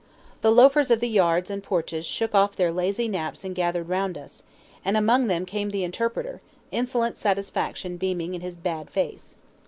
The loafers of the yards and porches shook off their lazy naps and gathered round us; and among them came the interpreter, insolent satisfaction beaming in his bad face.